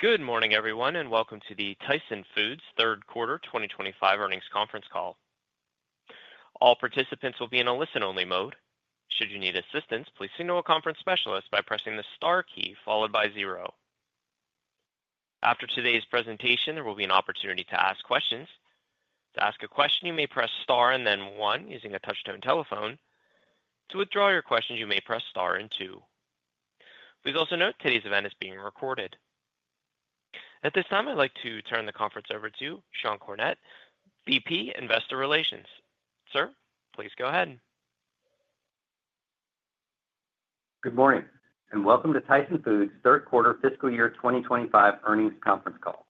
Good morning, everyone, and welcome to the Tyson Foods third quarter 2025 earnings conference call. All participants will be in a listen-only mode. Should you need assistance, please signal a conference specialist by pressing the star key followed by zero. After today's presentation, there will be an opportunity to ask questions. To ask a question, you may press star and then one using a touch-tone telephone. To withdraw your questions, you may press star and two. Please also note today's event is being recorded. At this time, I'd like to turn the conference over to Sean Cornett, VP Investor Relations. Sir, please go ahead. Good morning and welcome to Tyson Foods third quarter fiscal year 2025 earnings conference call.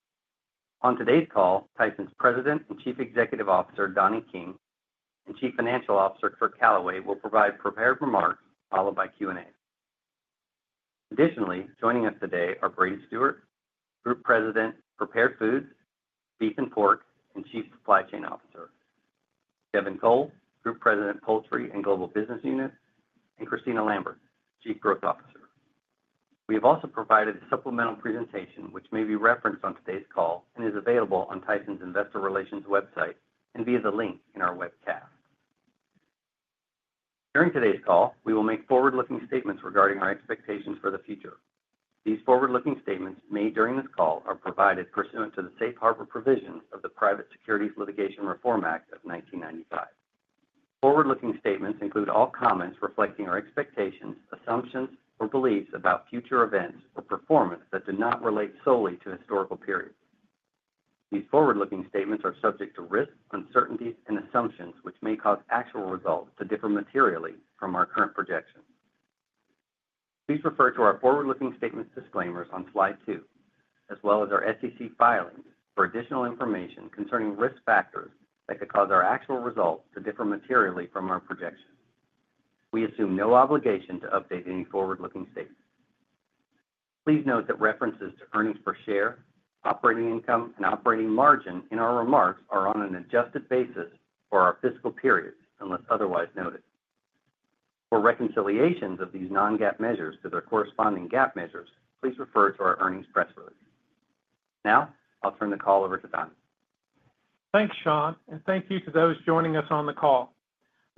On today's call, Tyson's President and Chief Executive Officer, Donnie King, and Chief Financial Officer, Curt Calaway, will provide prepared remarks followed by Q&A. Additionally, joining us today are Brady Stewart, Group President, Prepared Foods, Beef and Pork, and Chief Supply Chain Officer; Devin Cole, Group President, Poultry and Global Business Unit; and Kristina Lambert, Chief Growth Officer. We have also provided a supplemental presentation, which may be referenced on today's call and is available on Tyson's Investor Relations website and via the link in our webcast. During today's call, we will make forward-looking statements regarding our expectations for the future. These forward-looking statements made during this call are provided pursuant to the Safe Harbor provisions of the Private Securities Litigation Reform Act of 1995. Forward-looking statements include all comments reflecting our expectations, assumptions, or beliefs about future events or performance that do not relate solely to historical periods. These forward-looking statements are subject to risk, uncertainties, and assumptions, which may cause actual results to differ materially from our current projections. Please refer to our forward-looking statements disclaimers on slide two, as well as our SEC filings for additional information concerning risk factors that could cause our actual results to differ materially from our projections. We assume no obligation to update any forward-looking statements. Please note that references to earnings per share, operating income, and operating margin in our remarks are on an adjusted basis for our fiscal period unless otherwise noted. For reconciliations of these non-GAAP measures to their corresponding GAAP measures, please refer to our earnings press release. Now, I'll turn the call over to Donnie. Thanks, Sean, and thank you to those joining us on the call.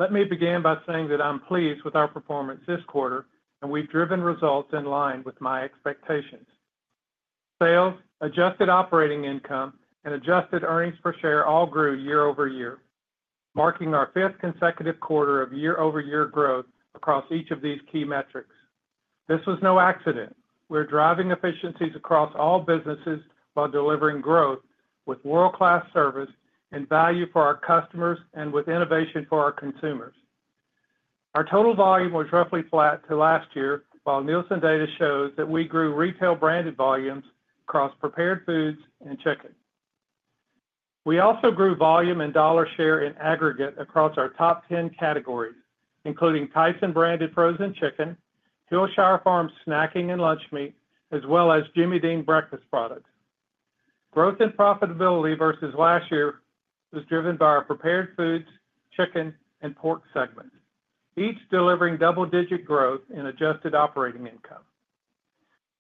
Let me begin by saying that I'm pleased with our performance this quarter, and we've driven results in line with my expectations. Sales, adjusted operating income, and adjusted earnings per share all grew year-over-year, marking our fifth consecutive quarter of year-over-year growth across each of these key metrics. This was no accident. We're driving efficiencies across all businesses while delivering growth with world-class service and value for our customers and with innovation for our consumers. Our total volume was roughly flat to last year, while Nielsen data shows that we grew retail branded volumes across prepared foods and chicken. We also grew volume and dollar share in aggregate across our top 10 categories, including Tyson breaded frozen chicken, Hillshire Farm snacking and lunch meat, as well as Jimmy Dean breakfast products. Growth in profitability versus last year was driven by our prepared foods, chicken, and pork segments, each delivering double-digit growth in adjusted operating income.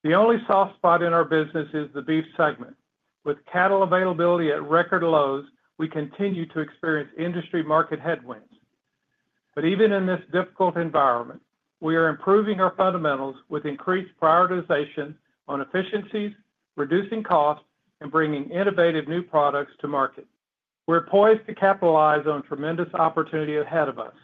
The only soft spot in our business is the beef segment. With cattle availability at record lows, we continue to experience industry market headwinds. Even in this difficult environment, we are improving our fundamentals with increased prioritization on efficiencies, reducing costs, and bringing innovative new products to market. We're poised to capitalize on tremendous opportunity ahead of us,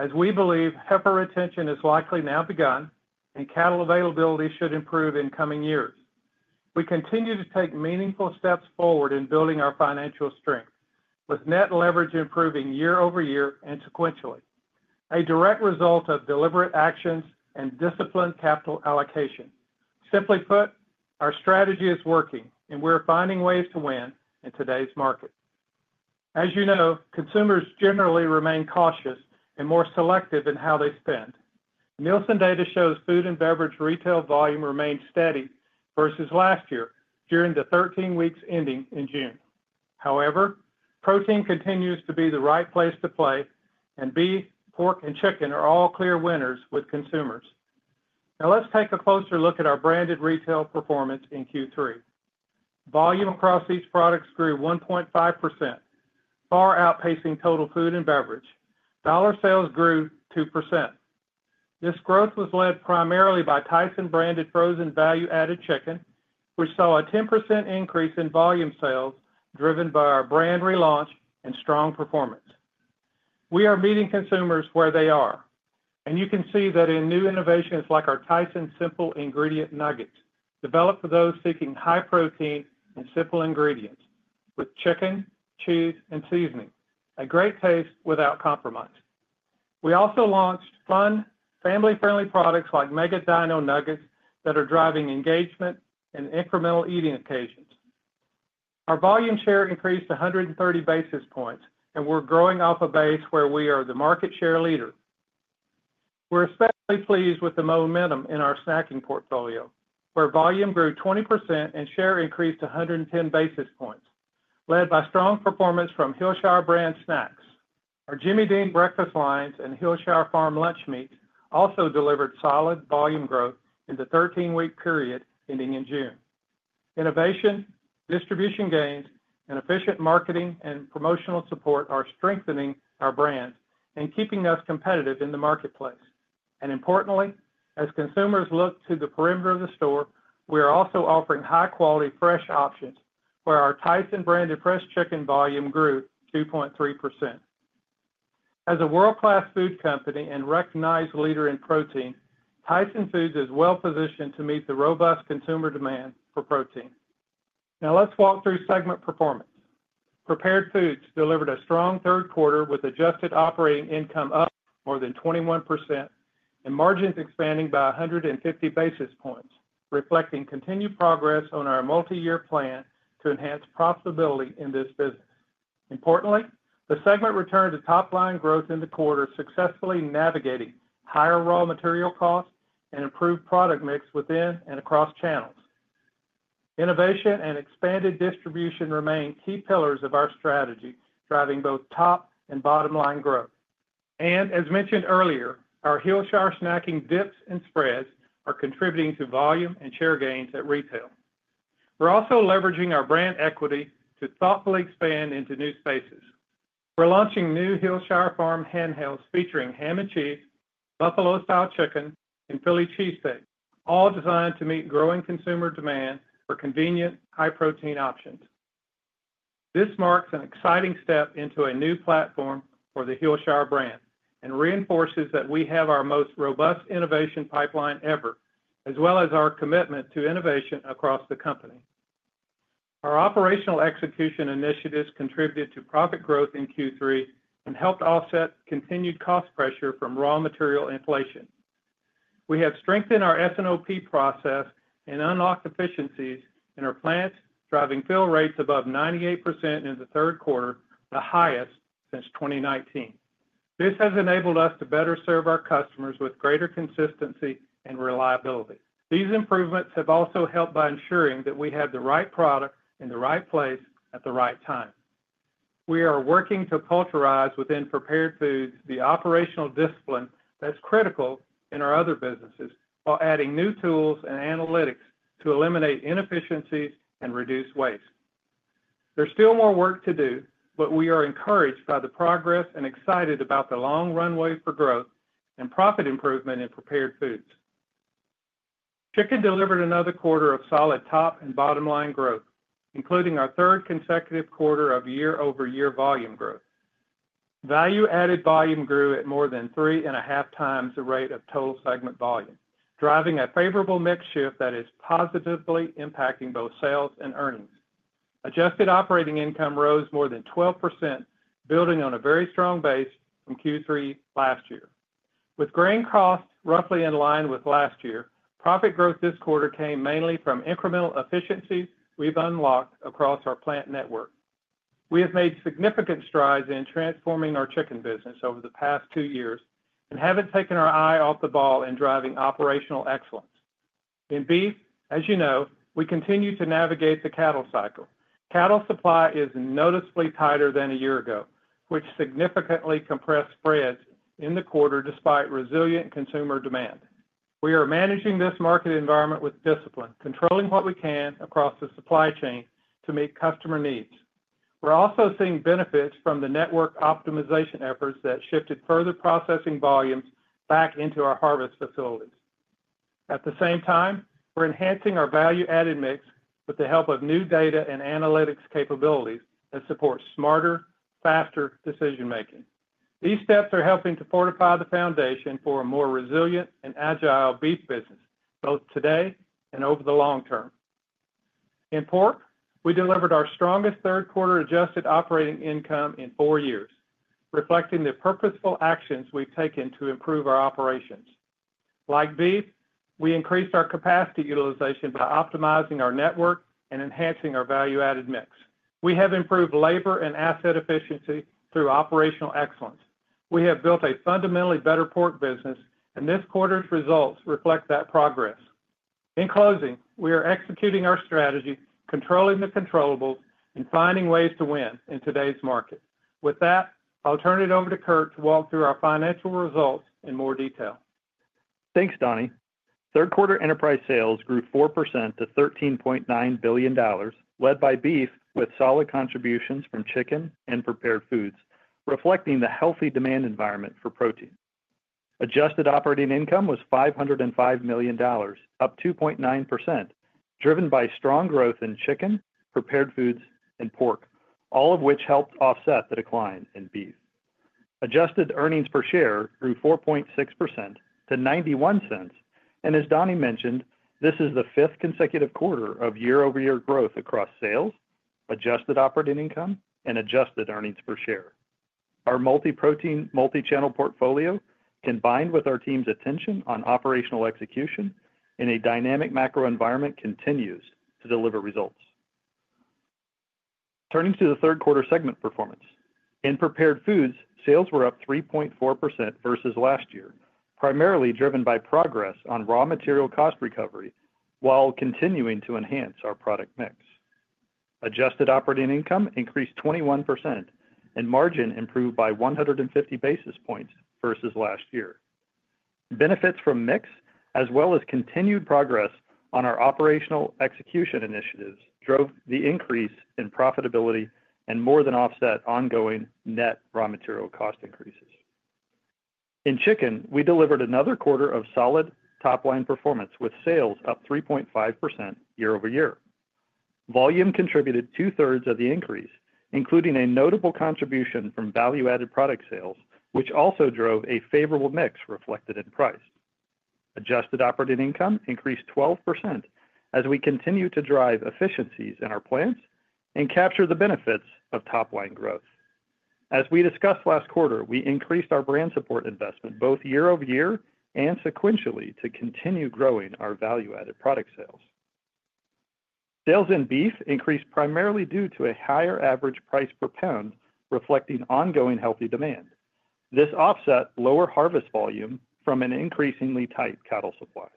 as we believe Heifer retention has likely now begun and cattle availability should improve in coming years. We continue to take meaningful steps forward in building our financial strength, with net leverage improving year-over-year and sequentially, a direct result of deliberate actions and disciplined capital allocation. Simply put, our strategy is working, and we're finding ways to win in today's market. As you know, consumers generally remain cautious and more selective in how they spend. Nielsen data shows food and beverage retail volume remains steady versus last year during the 13 weeks ending in June. However, protein continues to be the right place to play, and beef, pork, and chicken are all clear winners with consumers. Now let's take a closer look at our branded retail performance in Q3. Volume across these products grew 1.5%, far outpacing total food and beverage. Dollar sales grew 2%. This growth was led primarily by Tyson breaded frozen value-added chicken, which saw a 10% increase in volume sales driven by our brand relaunch and strong performance. We are meeting consumers where they are, and you can see that in new innovations like our Tyson Simple Ingredient Nuggets, developed for those seeking high protein and simple ingredients: chicken, cheese, and seasonings, a great taste without compromise. We also launched fun, family-friendly products like Mega Dino Nuggets that are driving engagement and incremental eating occasions. Our volume share increased to 130 basis points, and we're growing off a base where we are the market share leader. We're especially pleased with the momentum in our snacking portfolio, where volume grew 20% and share increased to 110 basis points, led by strong performance from Hillshire brands snacking. Our Jimmy Dean breakfast products and Hillshire Farm lunch meat also delivered solid volume growth in the 13-week period ending in June. Innovation, distribution gains, and efficient marketing and promotional support are strengthening our brand and keeping us competitive in the marketplace. Importantly, as consumers look to the perimeter of the store, we are also offering high-quality fresh options, where our Tyson branded fresh chicken volume grew 2.3%. As a world-class food company and recognized leader in protein, Tyson Foods is well-positioned to meet the robust consumer demand for protein. Now let's walk through segment performance. Prepared Foods delivered a strong third quarter with adjusted operating income up more than 21% and margins expanding by 150 basis points, reflecting continued progress on our multi-year plan to enhance profitability in this business. Importantly, the segment returned to top-line growth in the quarter, successfully navigating higher raw material cost pressures and improved product mix within and across channels. Innovation and expanded distribution remain key pillars of our strategy, driving both top and bottom-line growth. As mentioned earlier, our Hillshire snacking dips and spreads are contributing to volume and share gains at retail. We're also leveraging our brand equity to thoughtfully expand into new spaces. We're launching new Hillshire Farm handhelds featuring ham and cheese, buffalo-style chicken, and Philly cheese steak, all designed to meet growing consumer demand for convenient, high-protein options. This marks an exciting step into a new platform for the Hillshire brand and reinforces that we have our most robust innovation pipeline ever, as well as our commitment to innovation across the company. Our operational execution initiatives contributed to profit growth in Q3 and helped offset continued cost pressure from raw material inflation. We have strengthened our S&OP process and unlocked efficiencies in our plants, driving fill rates above 98% in the third quarter, the highest since 2019. This has enabled us to better serve our customers with greater consistency and reliability. These improvements have also helped by ensuring that we have the right product in the right place at the right time. We are working to culturize within Prepared Foods the operational discipline that's critical in our other businesses, while adding new tools and analytics to eliminate inefficiencies and reduce waste. There's still more work to do, but we are encouraged by the progress and excited about the long runway for growth and profit improvement in Prepared Foods. Chicken delivered another quarter of solid top and bottom-line growth, including our third consecutive quarter of year-over-year volume growth. Value-added volume grew at more than 3.5x the rate of total segment volume, driving a favorable mix shift that is positively impacting both sales and earnings. Adjusted operating income rose more than 12%, building on a very strong base in Q3 last year. With grain costs roughly in line with last year, profit growth this quarter came mainly from incremental efficiencies we've unlocked across our plant network. We have made significant strides in transforming our chicken business over the past two years and haven't taken our eye off the ball in driving operational excellence. In beef, as you know, we continue to navigate the cattle cycle. Cattle supply is noticeably tighter than a year ago, which significantly compressed spreads in the quarter despite resilient consumer demand. We are managing this market environment with discipline, controlling what we can across the supply chain to meet customer needs. We're also seeing benefits from the network optimization efforts that shifted further processing volumes back into our harvest facilities. At the same time, we're enhancing our value-added mix with the help of new data and analytics capabilities that support smarter, faster decision-making. These steps are helping to fortify the foundation for a more resilient and agile beef business, both today and over the long term. In pork, we delivered our strongest third-quarter adjusted operating income in four years, reflecting the purposeful actions we've taken to improve our operations. Like beef, we increased our capacity utilization by optimizing our network and enhancing our value-added mix. We have improved labor and asset efficiency through operational excellence. We have built a fundamentally better pork business, and this quarter's results reflect that progress. In closing, we are executing our strategy, controlling the controllable, and finding ways to win in today's market. With that, I'll turn it over to Curt to walk through our financial results in more detail. Thanks, Donnie. Third quarter enterprise sales grew 4% to $13.9 billion, led by beef, with solid contributions from chicken and prepared foods, reflecting the healthy demand environment for protein. Adjusted operating income was $505 million, up 2.9%, driven by strong growth in chicken, prepared foods, and pork, all of which helped offset the decline in beef. Adjusted earnings per share grew 4.6% to $0.91, and as Donnie mentioned, this is the fifth consecutive quarter of year-over-year growth across sales, adjusted operating income, and adjusted earnings per share. Our multi-protein, multi-channel portfolio, combined with our team's attention on operational execution in a dynamic macro environment, continues to deliver results. Turning to the third quarter segment performance. In prepared foods, sales were up 3.4% versus last year, primarily driven by progress on raw material cost recovery while continuing to enhance our product mix. Adjusted operating income increased 21% and margin improved by 150 basis points versus last year. Benefits from the mix, as well as continued progress on our operational execution initiatives, drove the increase in profitability and more than offset ongoing net raw material cost increases. In chicken, we delivered another quarter of solid top-line performance with sales up 3.5% year-over-year. Volume contributed two-thirds of the increase, including a notable contribution from value-added product sales, which also drove a favorable mix reflected in price. Adjusted operating income increased 12% as we continue to drive efficiencies in our plants and capture the benefits of top-line growth. As we discussed last quarter, we increased our brand support investment both year-over-year and sequentially to continue growing our value-added product sales. Sales in beef increased primarily due to a higher average price per pound, reflecting ongoing healthy demand. This offset lower harvest volume from an increasingly tight cattle supply.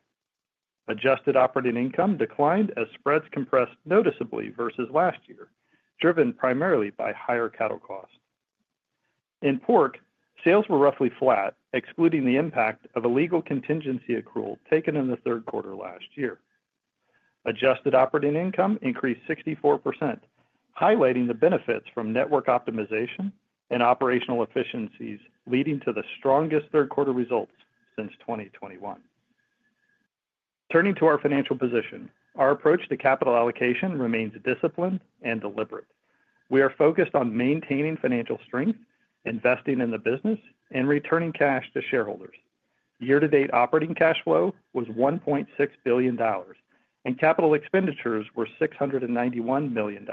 Adjusted operating income declined as spreads compressed noticeably versus last year, driven primarily by higher cattle costs. In pork, sales were roughly flat, excluding the impact of legal contingency accrual taken in the third quarter last year. Adjusted operating income increased 64%, highlighting the benefits from network optimization and operational efficiencies leading to the strongest third quarter results since 2021. Turning to our financial position, our approach to capital allocation remains disciplined and deliberate. We are focused on maintaining financial strength, investing in the business, and returning cash to shareholders. Year-to-date operating cash flow was $1.6 billion, and capital expenditures were $691 million,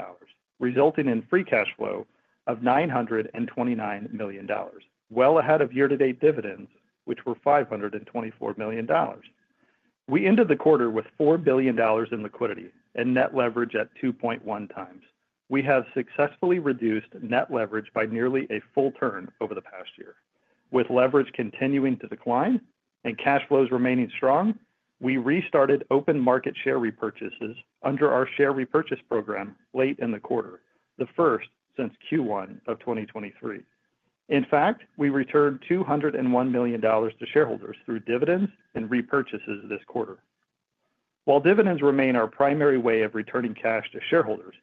resulting in free cash flow of $929 million, well ahead of year-to-date dividends, which were $524 million. We ended the quarter with $4 billion in liquidity and net leverage at 2.1x. We have successfully reduced net leverage by nearly a full turn over the past year. With leverage continuing to decline and cash flows remaining strong, we restarted open market share repurchases under our share repurchase program late in the quarter, the first since Q1 of 2023. In fact, we returned $201 million to shareholders through dividends and repurchases this quarter. While dividends remain our primary way of returning cash to shareholders,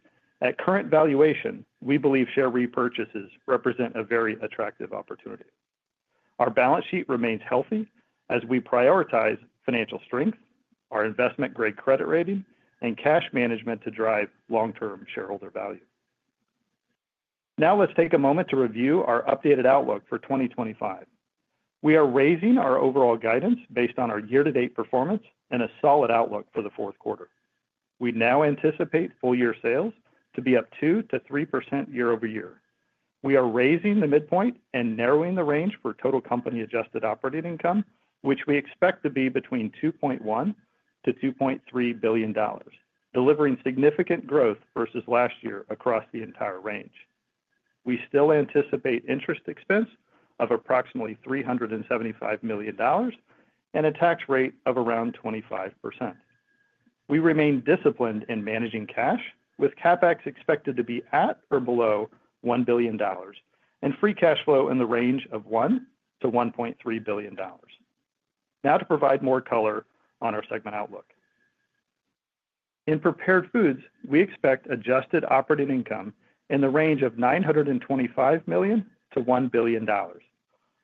at current valuation, we believe share repurchases represent a very attractive opportunity. Our balance sheet remains healthy as we prioritize financial strength, our investment-grade credit rating, and cash management to drive long-term shareholder value. Now let's take a moment to review our updated outlook for 2025. We are raising our overall guidance based on our year-to-date performance and a solid outlook for the fourth quarter. We now anticipate full-year sales to be up 2%-3% year-over-year. We are raising the midpoint and narrowing the range for total company adjusted operating income, which we expect to be between $2.1 billion-$2.3 billion, delivering significant growth versus last year across the entire range. We still anticipate interest expense of approximately $375 million and a tax rate of around 25%. We remain disciplined in managing cash, with CapEx expected to be at or below $1 billion and free cash flow in the range of $1 billion-$1.3 billion. Now to provide more color on our segment outlook. In prepared foods, we expect adjusted operating income in the range of $925 million-$1 billion.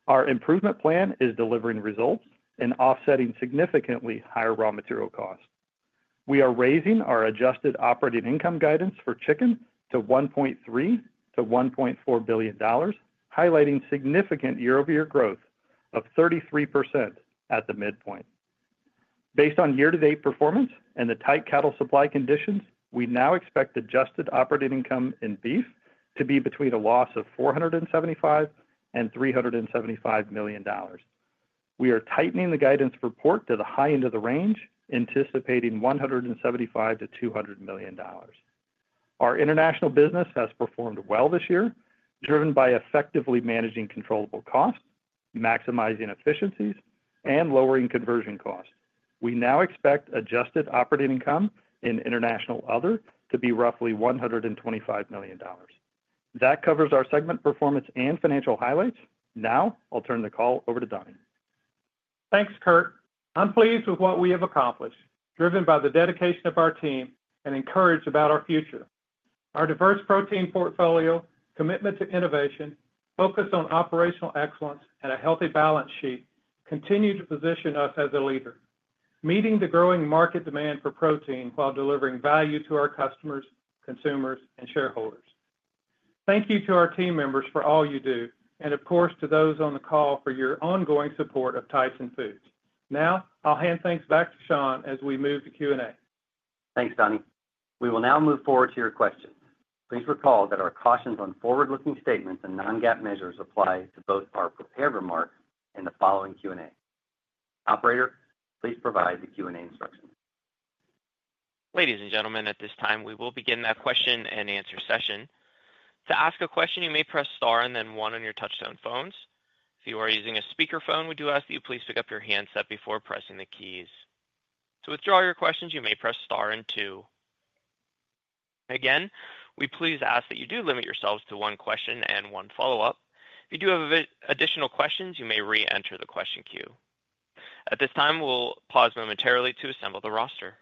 Our improvement plan is delivering results and offsetting significantly higher raw material costs. We are raising our adjusted operating income guidance for chicken to $1.3 billion-$1.4 billion, highlighting significant year-over-year growth of 33% at the midpoint. Based on year-to-date performance and the tight cattle supply conditions, we now expect adjusted operating income in beef to be between a loss of $475 million and $375 million. We are tightening the guidance report to the high end of the range, anticipating $175 million-$200 million. Our international business has performed well this year, driven by effectively managing controllable costs, maximizing efficiencies, and lowering conversion costs. We now expect adjusted operating income in international other to be roughly $125 million. That covers our segment performance and financial highlights. Now, I'll turn the call over to Donnie. Thanks, Curt. I'm pleased with what we have accomplished, driven by the dedication of our team and encouraged about our future. Our diverse protein portfolio, commitment to innovation, focus on operational excellence, and a healthy balance sheet continue to position us as a leader, meeting the growing market demand for protein while delivering value to our customers, consumers, and shareholders. Thank you to our team members for all you do, and of course, to those on the call for your ongoing support of Tyson Foods. Now, I'll hand things back to Sean as we move to Q&A. Thanks, Donnie. We will now move forward to your questions. Please recall that our cautions on forward-looking statements and non-GAAP measures apply to both our prepared remarks and the following Q&A. Operator, please provide the Q&A instructions. Ladies and gentlemen, at this time, we will begin the question and answer session. To ask a question, you may press star and then one on your touch-tone phones. If you are using a speaker phone, we do ask that you please pick up your handset before pressing the keys. To withdraw your questions, you may press star and two. Again, we please ask that you limit yourselves to one question and one follow-up. If you do have additional questions, you may re-enter the question queue. At this time, we'll pause momentarily to assemble the roster.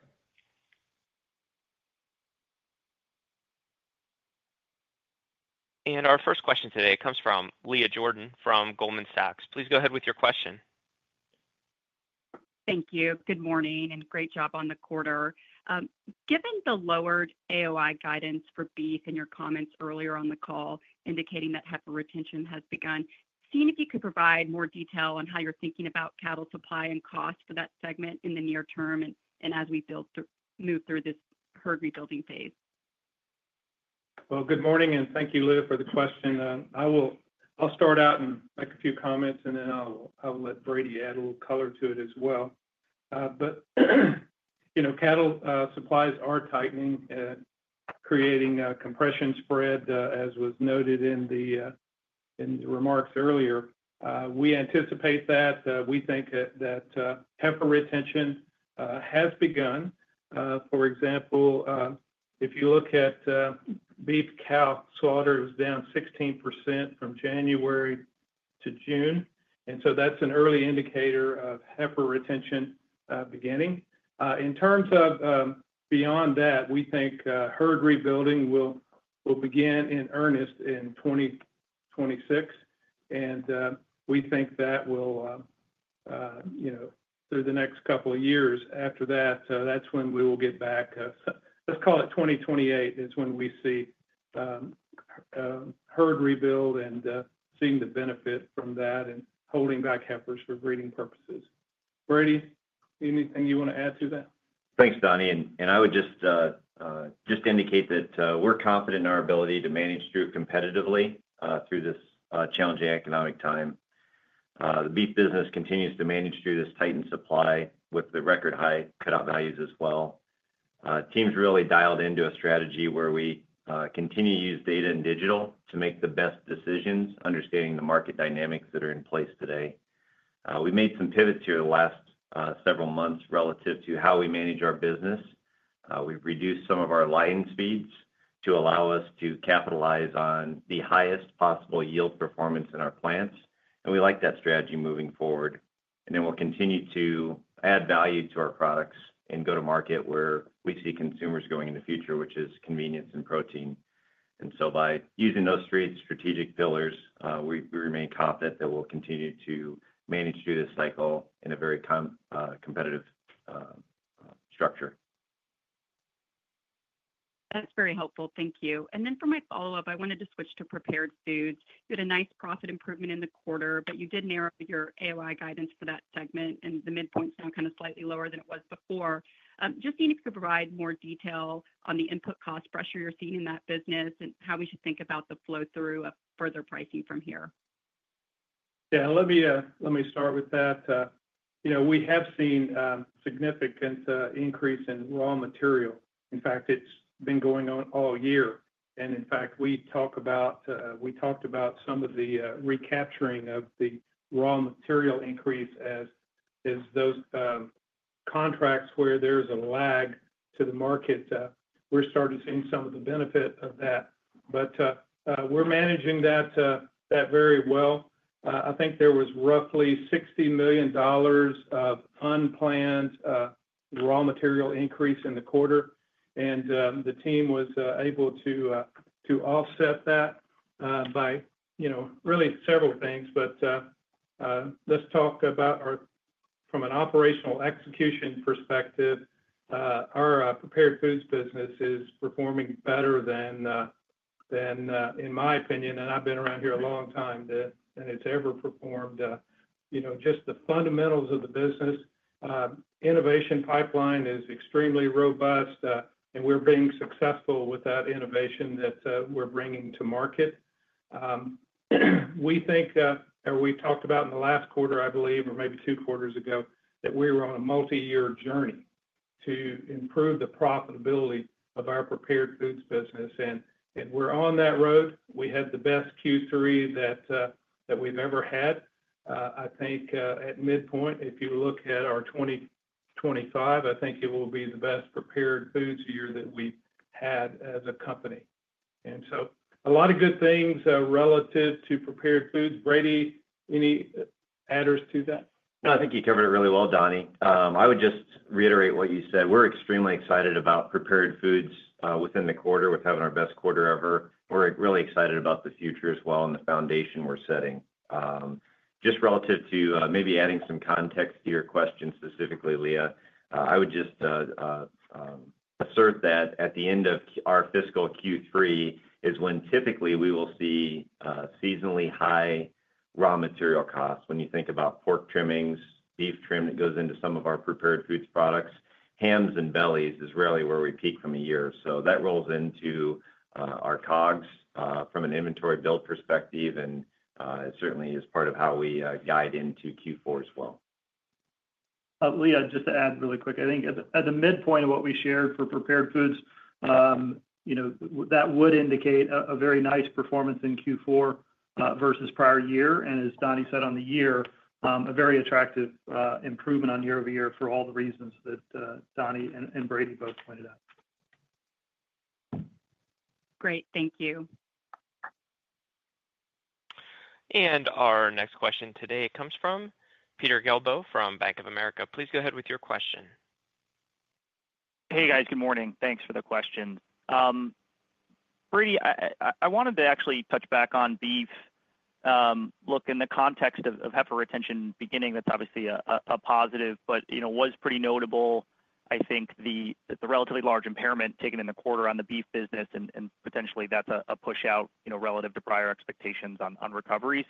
Our first question today comes from Leah Jordan from Goldman Sachs. Please go ahead with your question. Thank you. Good morning and great job on the quarter. Given the lowered AOI guidance for beef and your comments earlier on the call indicating that Heifer retention has begun, seeing if you could provide more detail on how you're thinking about cattle supply and cost for that segment in the near term and as we move through this herd rebuilding phase. Good morning and thank you, Leah, for the question. I'll start out and make a few comments, then I'll let Brady add a little color to it as well. You know, cattle supplies are tightening and creating a compression spread, as was noted in the remarks earlier. We anticipate that. We think that Heifer retention has begun. For example, if you look at beef cow slaughter, it was down 16% from January to June. That's an early indicator of Heifer retention beginning. In terms of beyond that, we think herd rebuilding will begin in earnest in 2026. We think that will continue through the next couple of years after that. That's when we will get back. Let's call it 2028. That's when we see herd rebuild and seeing the benefit from that and holding back heifers for breeding purposes. Brady, anything you want to add to that? Thanks, Donnie. I would just indicate that we're confident in our ability to manage through competitively, through this challenging economic time. The beef business continues to manage through this tightened supply with the record high cutout values as well. Teams really dialed into a strategy where we continue to use data and digital to make the best decisions, understanding the market dynamics that are in place today. We made some pivots here the last several months relative to how we manage our business. We've reduced some of our lighting speeds to allow us to capitalize on the highest possible yield performance in our plants. We like that strategy moving forward. We'll continue to add value to our products and go to market where we see consumers going in the future, which is convenience and protein. By using those three strategic pillars, we remain confident that we'll continue to manage through this cycle in a very competitive structure. That's very helpful. Thank you. For my follow-up, I wanted to switch to prepared foods. You had a nice profit improvement in the quarter, but you did narrow your AOI guidance for that segment, and the midpoint's now kind of slightly lower than it was before. Just seeing if you could provide more detail on the input cost pressure you're seeing in that business and how we should think about the flow-through of further pricing from here. Yeah, let me start with that. You know, we have seen a significant increase in raw material. In fact, it's been going on all year. In fact, we talked about some of the recapturing of the raw material increase as those contracts where there's a lag to the market. We're starting to see some of the benefit of that. We're managing that very well. I think there was roughly $60 million of unplanned raw material increase in the quarter, and the team was able to offset that by really settled things. Let's talk about our, from an operational execution perspective, our prepared foods business is performing better than, in my opinion, and I've been around here a long time, than it's ever performed. Just the fundamentals of the business, innovation pipeline is extremely robust, and we're being successful with that innovation that we're bringing to market. We think, and we talked about in the last quarter, I believe, or maybe two quarters ago, that we were on a multi-year journey to improve the profitability of our prepared foods business. We're on that road. We had the best Q3 that we've ever had. I think at midpoint, if you look at our 2025, I think it will be the best prepared foods year that we've had as a company. A lot of good things relative to prepared foods. Brady, any answers to that? No, I think you covered it really well, Donnie. I would just reiterate what you said. We're extremely excited about prepared foods within the quarter with having our best quarter ever. We're really excited about the future as well and the foundation we're setting. Just relative to maybe adding some context to your question specifically, Leah, I would just assert that at the end of our fiscal Q3 is when typically we will see seasonally high raw material costs. When you think about pork trimmings, beef trim that goes into some of our prepared foods products, hams and bellies is really where we peak from a year. That rolls into our COGs from an inventory build perspective, and it certainly is part of how we guide into Q4 as well. Leah, just to add really quick, I think at the midpoint of what we shared for Prepared Foods, you know, that would indicate a very nice performance in Q4 versus prior year. As Donnie said on the year, a very attractive improvement on year-over-year for all the reasons that Donnie and Brady both pointed out. Great, thank you. Our next question today comes from Peter Galbo from Bank of America. Please go ahead with your question. Hey, guys. Good morning. Thanks for the question. Brady, I wanted to actually touch back on beef. In the context of Heifer retention beginning, that's obviously a positive, but it was pretty notable, I think, the relatively large impairment taken in the quarter on the beef business, and potentially that's a push out relative to prior expectations on recovery.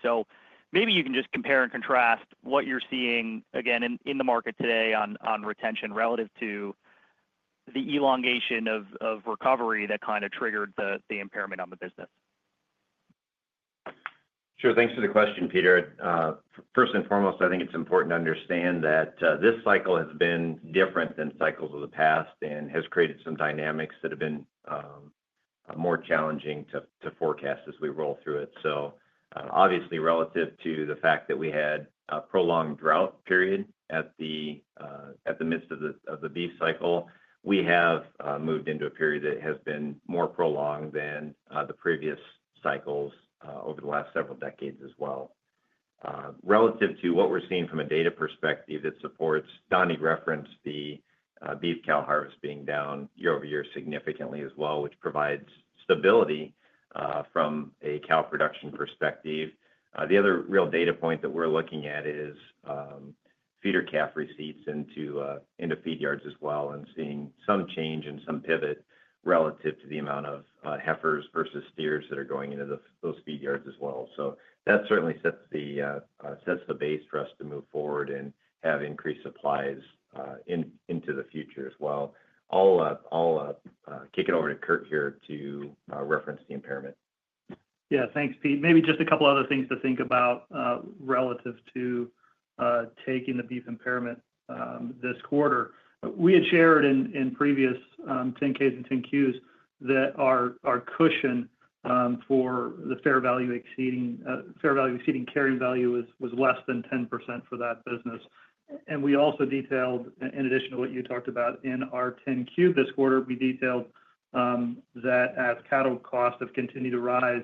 Maybe you can just compare and contrast what you're seeing, again, in the market today on retention relative to the elongation of recovery that kind of triggered the impairment on the business. Sure. Thanks for the question, Peter. First and foremost, I think it's important to understand that this cycle has been different than cycles of the past and has created some dynamics that have been more challenging to forecast as we roll through it. Obviously, relative to the fact that we had a prolonged drought period at the midst of the beef cycle, we have moved into a period that has been more prolonged than the previous cycles over the last several decades as well. Relative to what we're seeing from a data perspective that supports, Donnie referenced the Beef Cow Harvest being down year-over-year significantly as well, which provides stability from a cow production perspective. The other real data point that we're looking at is Feeder Calf Receipts into feed yards as well and seeing some change and some pivot relative to the amount of heifers versus steers that are going into those feed yards as well. That certainly sets the base for us to move forward and have increased supplies into the future as well. I'll kick it over to Curt here to reference the impairment. Yeah, thanks, Pete. Maybe just a couple of other things to think about relative to taking the beef impairment this quarter. We had shared in previous 10-Ks and 10-Qs that our cushion for the fair value exceeding carrying value was less than 10% for that business. We also detailed, in addition to what you talked about in our 10-Q this quarter, that as cattle costs have continued to rise,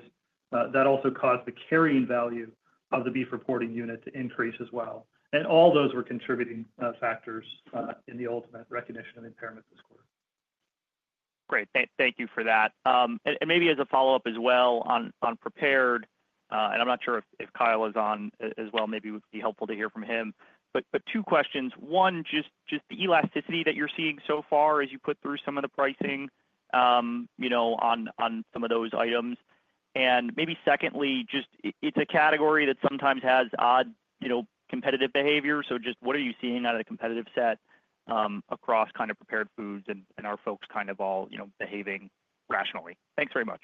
that also caused the carrying value of the beef reporting unit to increase as well. All those were contributing factors in the ultimate recognition of impairment this quarter. Great. Thank you for that. Maybe as a follow-up as well on prepared, and I'm not sure if Kyle is on as well. Maybe it would be helpful to hear from him. Two questions. One, just the elasticity that you're seeing so far as you put through some of the pricing, you know, on some of those items. Maybe secondly, just it's a category that sometimes has odd, you know, competitive behavior. Just what are you seeing out of the competitive set across kind of prepared foods and are folks kind of all, you know, behaving rationally? Thanks very much.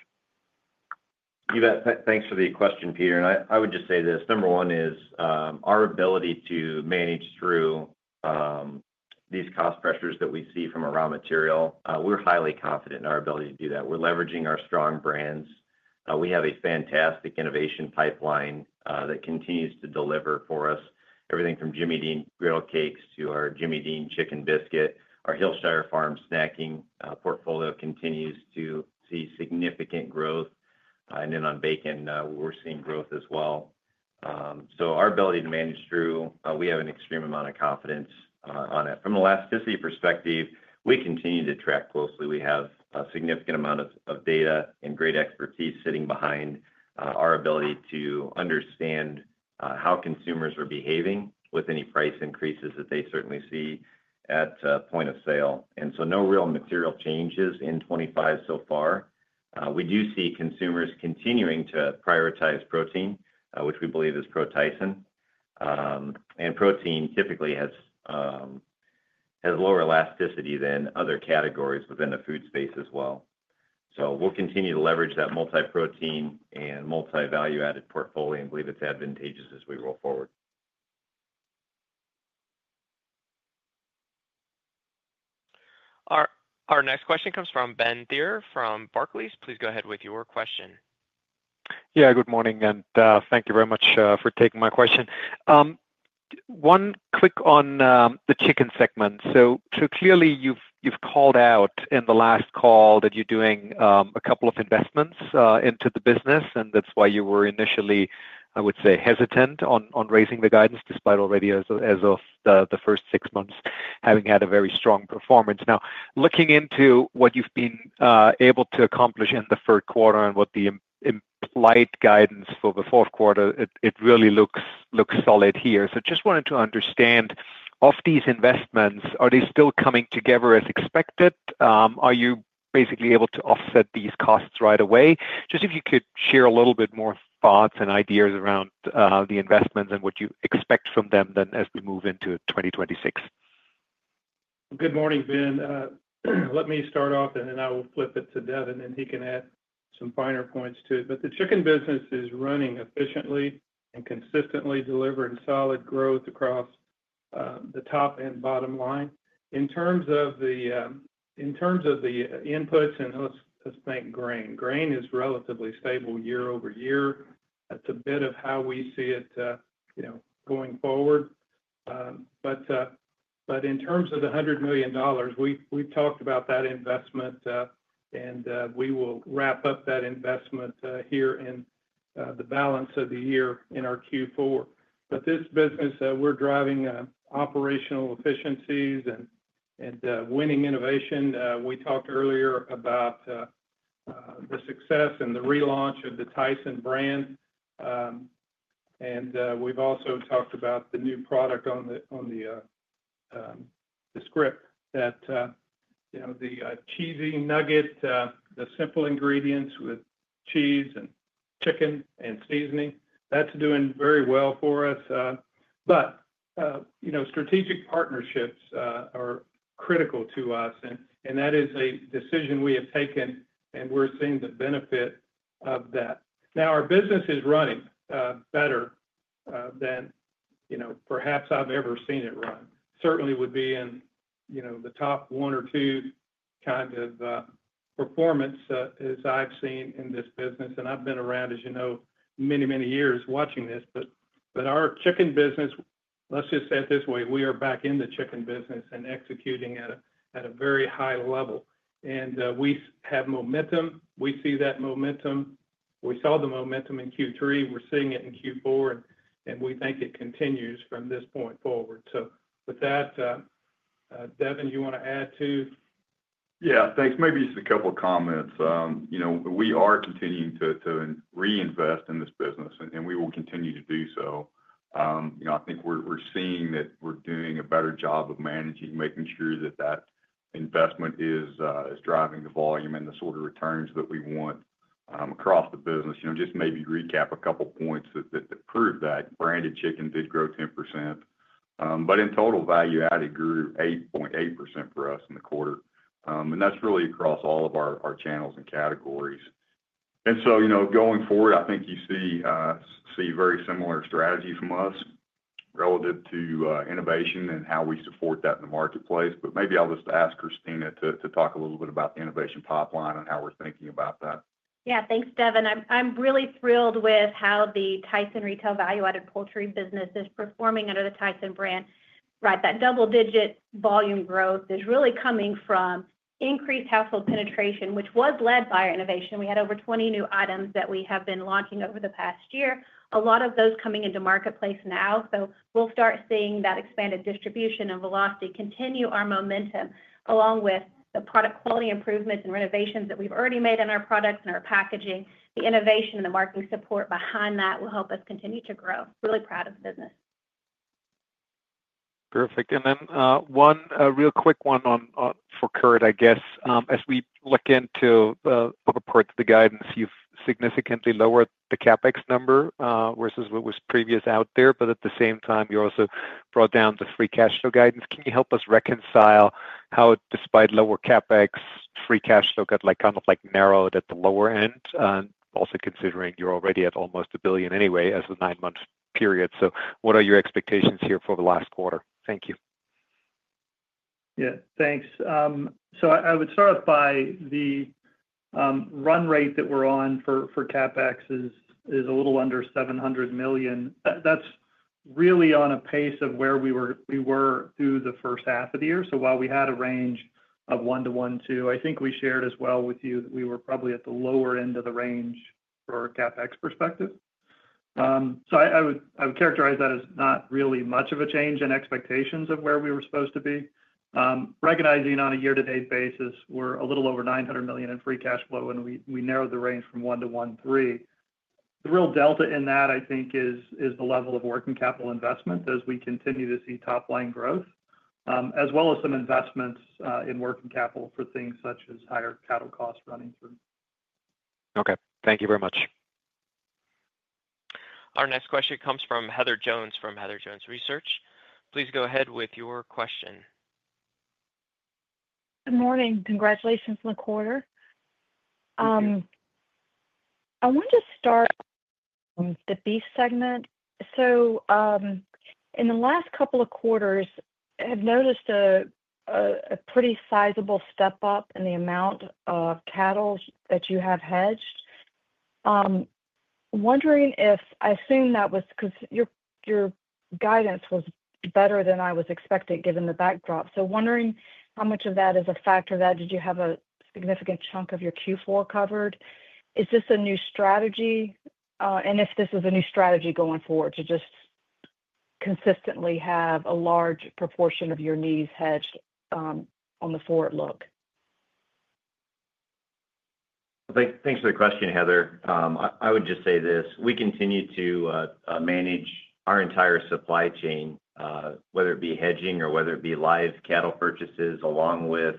You bet. Thanks for the question, Peter. I would just say this. Number one is our ability to manage through these cost pressures that we see from a raw material. We're highly confident in our ability to do that. We're leveraging our strong brands. We have a fantastic innovation pipeline that continues to deliver for us. Everything from Jimmy Dean grilled cakes to our Jimmy Dean chicken biscuit. Our Hillshire Farm snacking portfolio continues to see significant growth. On bacon, we're seeing growth as well. Our ability to manage through, we have an extreme amount of confidence on it. From an elasticity perspective, we continue to track closely. We have a significant amount of data and great expertise sitting behind our ability to understand how consumers are behaving with any price increases that they certainly see at point of sale. No real material changes in 2025 so far. We do see consumers continuing to prioritize protein, which we believe is pro-Tyson. Protein typically has lower elasticity than other categories within the food space as well. We'll continue to leverage that multi-protein and multi-value-added portfolio and believe it's advantageous as we roll forward. Our next question comes from Ben Theurer from Barclays. Please go ahead with your question. Good morning, and thank you very much for taking my question. One quick on the chicken segment. Clearly, you've called out in the last call that you're doing a couple of investments into the business, and that's why you were initially, I would say, hesitant on raising the guidance despite already as of the first six months having had a very strong performance. Now, looking into what you've been able to accomplish in the third quarter and what the implied guidance for the fourth quarter, it really looks solid here. I just wanted to understand, of these investments, are they still coming together as expected? Are you basically able to offset these costs right away? If you could share a little bit more thoughts and ideas around the investments and what you expect from them then as we move into 2026. Good morning, Ben. Let me start off, and I'll flip it to Devin, and he can add some finer points to it. The chicken business is running efficiently and consistently, delivering solid growth across the top and bottom line. In terms of the inputs, and let's think grain. Grain is relatively stable year-over-year. That's a bit of how we see it, you know, going forward. In terms of the $100 million, we've talked about that investment, and we will wrap up that investment here in the balance of the year in our Q4. This business, we're driving operational efficiencies and winning innovation. We talked earlier about the success and the relaunch of the Tyson brand. We've also talked about the new product on the script that, you know, the cheesy nugget, the simple ingredients with cheese and chicken and seasoning, that's doing very well for us. Strategic partnerships are critical to us, and that is a decision we have taken, and we're seeing the benefit of that. Our business is running better than, you know, perhaps I've ever seen it run. Certainly, it would be in, you know, the top one or two kind of performance as I've seen in this business. I've been around, as you know, many, many years watching this. Our chicken business, let's just say it this way, we are back in the chicken business and executing at a very high level. We have momentum. We see that momentum. We saw the momentum in Q3. We're seeing it in Q4, and we think it continues from this point forward. With that, Devin, you want to add too? Yeah, thanks. Maybe just a couple of comments. We are continuing to reinvest in this business, and we will continue to do so. I think we're seeing that we're doing a better job of managing, making sure that that investment is driving the volume and the sort of returns that we want across the business. Just maybe recap a couple of points that prove that branded chicken did grow 10%. In total, value-added grew 8.8% for us in the quarter. That's really across all of our channels and categories. Going forward, I think you see very similar strategies from us relative to innovation and how we support that in the marketplace. Maybe I'll just ask Kristina to talk a little bit about the innovation pipeline and how we're thinking about that. Yeah, thanks, Devin. I'm really thrilled with how the Tyson retail value-added poultry business is performing under the Tyson brand. That double-digit volume growth is really coming from increased household penetration, which was led by our innovation. We had over 20 new items that we have been launching over the past year, a lot of those coming into marketplace now. We will start seeing that expanded distribution and velocity continue our momentum along with the product quality improvements and renovations that we've already made on our products and our packaging. The innovation and the marketing support behind that will help us continue to grow. Really proud of the business. Perfect. One real quick one for Curt, I guess. As we look into the reports of the guidance, you've significantly lowered the CapEx number versus what was previously out there. At the same time, you also brought down the free cash flow guidance. Can you help us reconcile how, despite lower CapEx, free cash flow got kind of like narrowed at the lower end? Also, considering you're already at almost $1 billion anyway as a nine-month period, what are your expectations here for the last quarter? Thank you. Yeah, thanks. I would start off by the run rate that we're on for CapEx is a little under $700 million. That's really on a pace of where we were through the first half of the year. While we had a range of $1 billion-$1.2 billion, I think we shared as well with you that we were probably at the lower end of the range from a CapEx perspective. I would characterize that as not really much of a change in expectations of where we were supposed to be. Recognizing on a year-to-date basis, we're a little over $900 million in free cash flow, and we narrowed the range from $1 billion-$1.3 billion. The real delta in that, I think, is the level of working capital investment as we continue to see top-line growth, as well as some investments in working capital for things such as higher cattle costs running through. Okay. Thank you very much. Our next question comes from Heather Jones from Heather Jones Research. Please go ahead with your question. Good morning. Congratulations on the quarter. I want to start on the beef segment. In the last couple of quarters, I've noticed a pretty sizable step up in the amount of cattle that you have hedged. I'm wondering if I assume that was because your guidance was better than I was expecting given the backdrop. I'm wondering how much of that is a factor. Did you have a significant chunk of your Q4 covered? Is this a new strategy, and if this is a new strategy going forward to just consistently have a large proportion of your needs hedged on the forward look? Thank you for the question, Heather. I would just say this. We continue to manage our entire supply chain, whether it be hedging or whether it be live cattle purchases along with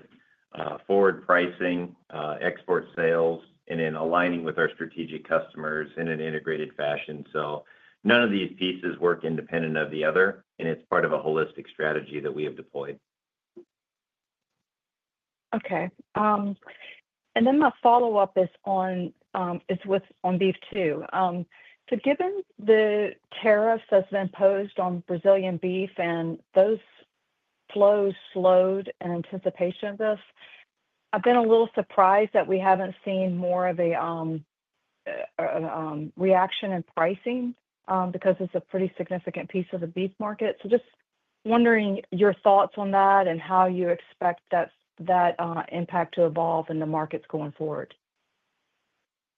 forward pricing, export sales, and in aligning with our strategic customers in an integrated fashion. None of these pieces work independent of the other, and it's part of a holistic strategy that we have deployed. Okay, my follow-up is on beef too. Given the tariffs that have been imposed on Brazilian beef and those flows slowed in anticipation of this, I've been a little surprised that we haven't seen more of a reaction in pricing, because it's a pretty significant piece of the beef market. I'm just wondering your thoughts on that and how you expect that impact to evolve in the markets going forward.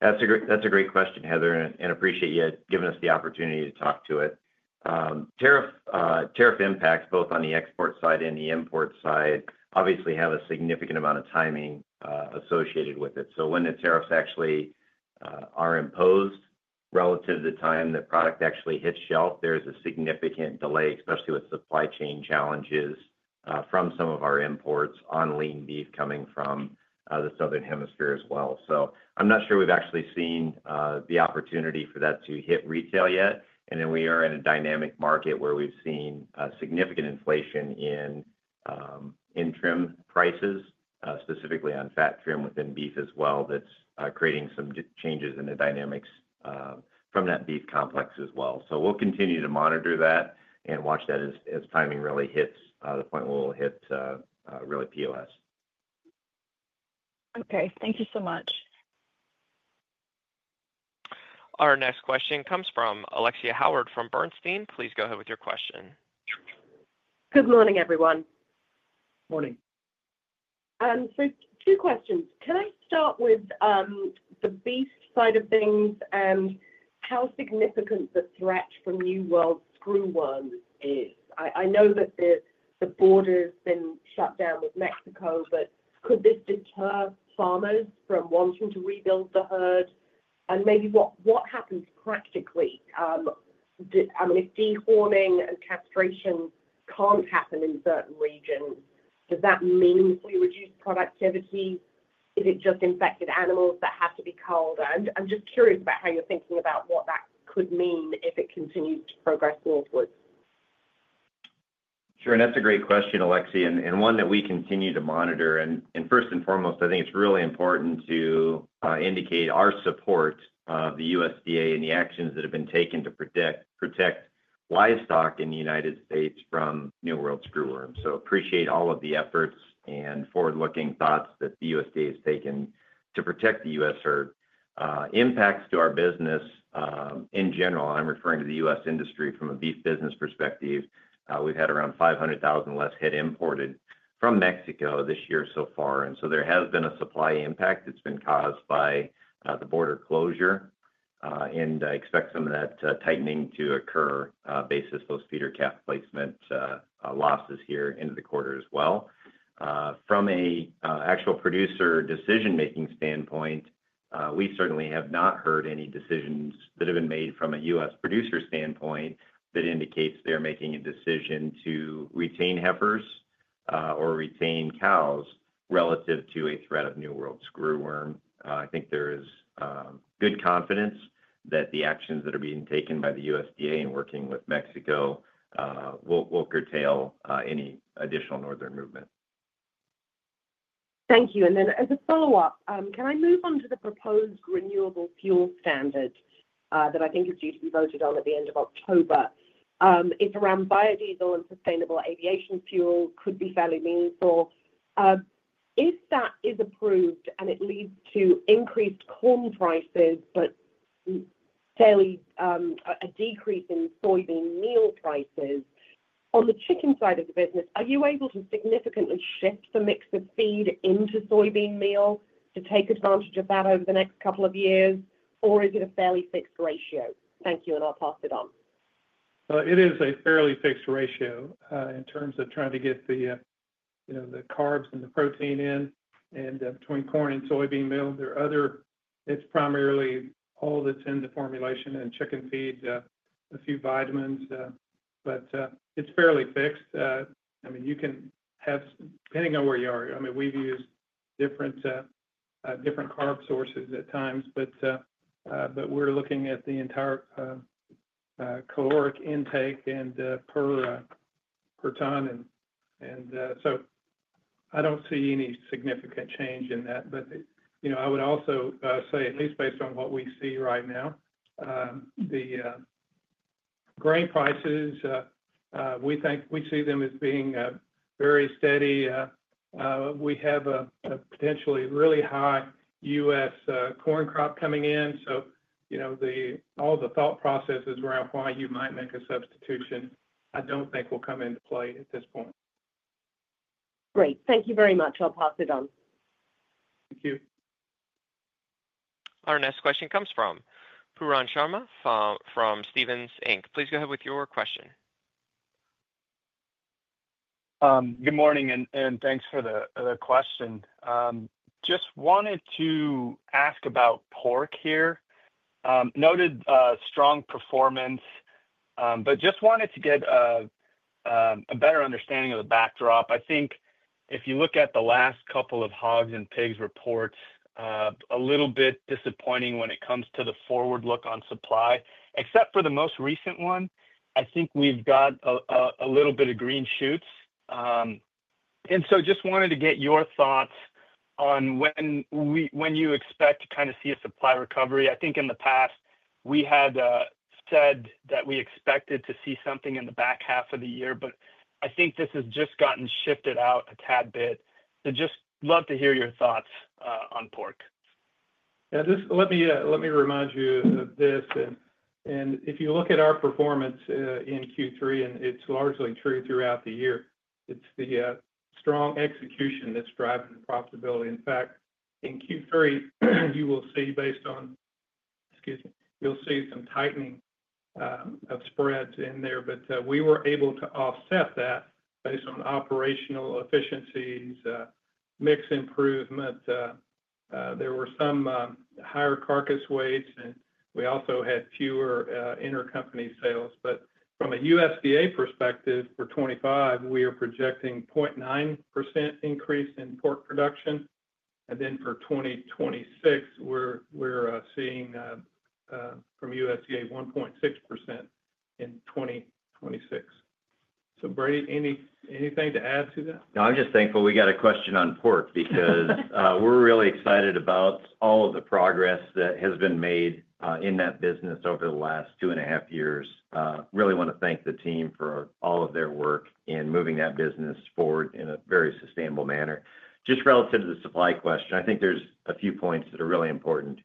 That's a great question, Heather, and I appreciate you giving us the opportunity to talk to it. Tariffs impact both on the export side and the import side obviously have a significant amount of timing associated with it. When the tariffs actually are imposed relative to the time the product actually hits shelf, there's a significant delay, especially with supply chain challenges from some of our imports on lean beef coming from the Southern Hemisphere as well. I'm not sure we've actually seen the opportunity for that to hit retail yet. We are in a dynamic market where we've seen significant inflation in trim prices, specifically on fat trim within beef as well, that's creating some changes in the dynamics from that beef complex as well. We will continue to monitor that and watch that as timing really hits the point where we'll hit really PLS. Okay, thank you so much. Our next question comes from Alexia Howard from Bernstein. Please go ahead with your question. Good morning, everyone. Morning. Two questions. Can I start with the beef side of things and how significant the threat from New World screwworm is? I know that the border's been shut down with Mexico, but could this deter farmers from wanting to rebuild the herd? Maybe what happens practically? I mean, if deforming and castration can't happen in certain regions, does that mean we reduce productivity? Is it just infected animals that have to be culled? I'm just curious about how you're thinking about what that could mean if it continues to progress forward. Sure. That's a great question, Alexia, and one that we continue to monitor. First and foremost, I think it's really important to indicate our support of the USDA and the actions that have been taken to protect livestock in the United States from New World's screwworm. I appreciate all of the efforts and forward-looking thoughts that the USDA has taken to protect the U.S. herd. Impacts to our business, in general, and I'm referring to the U.S. industry from a beef business perspective. We've had around 500,000 less head imported from Mexico this year so far. There has been a supply impact that's been caused by the border closure. I expect some of that tightening to occur, based on those feeder calf placement losses here into the quarter as well. From an actual producer decision-making standpoint, we certainly have not heard any decisions that have been made from a U.S. producer standpoint that indicates they're making a decision to retain heifers or retain cows relative to a threat of New World's screwworm. I think there is good confidence that the actions that are being taken by the USDA and working with Mexico will curtail any additional northern movement. Thank you. As a follow-up, can I move on to the proposed Renewable Fuel Standard that I think is due to be voted on at the end of October? It's around biodiesel and sustainable aviation fuel, could be fairly meaningful. If that is approved and it leads to increased corn prices, but a decrease in soybean meal prices, on the chicken side of the business, are you able to significantly shift the mix of feed into soybean meal to take advantage of that over the next couple of years, or is it a fairly fixed ratio? Thank you, I'll pass it on. It is a fairly fixed ratio in terms of trying to get the, you know, the carbs and the protein in. Between corn and soybean meal, it's primarily all that's in the formulation in chicken feeds, a few vitamins, but it's fairly fixed. I mean, you can have, depending on where you are, we've used different carb sources at times, but we're looking at the entire caloric intake per ton. I don't see any significant change in that. I would also say, at least based on what we see right now, the grain prices, we think we see them as being very steady. We have a potentially really high U.S. corn crop coming in. All the thought processes around why you might make a substitution, I don't think will come into play at this point. Great, thank you very much. I'll pass it on. Thank you. Our next question comes from Pooran Sharma from Stephens Inc. Please go ahead with your question. Good morning, and thanks for the question. Just wanted to ask about pork here. Noted strong performance, but just wanted to get a better understanding of the backdrop. I think if you look at the last couple of hogs and pigs reports, a little bit disappointing when it comes to the forward look on supply. Except for the most recent one, I think we've got a little bit of green shoots. Just wanted to get your thoughts on when you expect to kind of see a supply recovery. I think in the past, we had said that we expected to see something in the back half of the year, but I think this has just gotten shifted out a tad bit. Just love to hear your thoughts on pork. Yeah, just let me remind you of this. If you look at our performance in Q3, and it's largely true throughout the year, it's the strong execution that's driving the profitability. In fact, in Q3, you will see, you'll see some tightening of spreads in there. We were able to offset that based on operational efficiencies, mix improvement. There were some higher carcass weights, and we also had fewer intercompany sales. From a USDA perspective, for 2025, we are projecting a 0.9% increase in pork production. For 2026, we're seeing from USDA 1.6% in 2026. Brady, anything to add to that? No, I'm just thankful we got a question on pork because we're really excited about all of the progress that has been made in that business over the last two and a half years. I really want to thank the team for all of their work in moving that business forward in a very sustainable manner. Just relative to the supply question, I think there's a few points that are really important.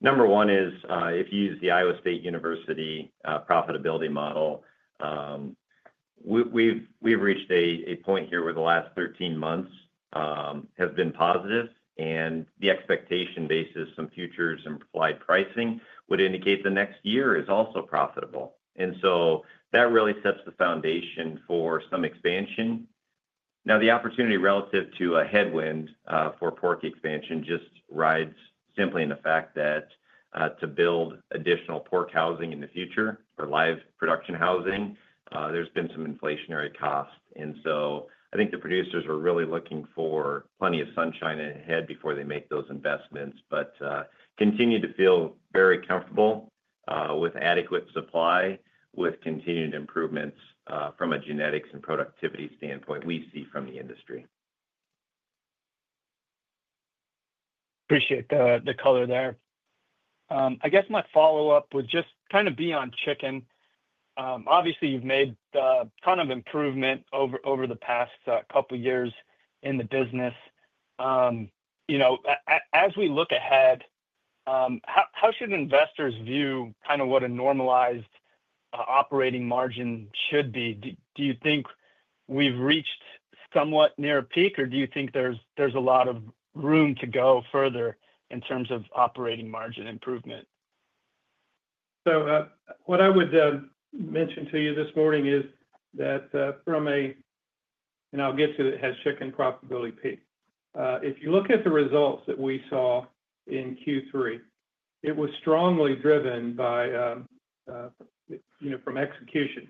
Number one is if you use the Iowa State University profitability model, we've reached a point here where the last 13 months have been positive, and the expectation based on futures and applied pricing would indicate the next year is also profitable. That really sets the foundation for some expansion. Now, the opportunity relative to a headwind for pork expansion just resides simply in the fact that to build additional pork housing in the future or live production housing, there's been some inflationary costs. I think the producers are really looking for plenty of sunshine ahead before they make those investments, but continue to feel very comfortable with adequate supply with continued improvements from a genetics and productivity standpoint we see from the industry. Appreciate the color there. I guess my follow-up would just kind of be on chicken. Obviously, you've made a ton of improvement over the past couple of years in the business. As we look ahead, how should investors view kind of what a normalized operating margin should be? Do you think we've reached somewhat near a peak, or do you think there's a lot of room to go further in terms of operating margin improvement? What I would mention to you this morning is that, and I'll get to it, has chicken profitability peaked. If you look at the results that we saw in Q3, it was strongly driven by execution